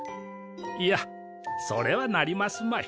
いやそれはなりますまい。